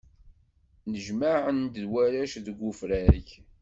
Nnejmaɛen-d warrac deg ufrag.